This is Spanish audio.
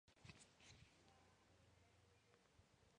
Sus política independiente, sin embargo, no siempre se apreció en Viena.